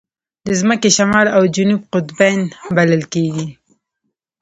د ځمکې شمال او جنوب قطبین بلل کېږي.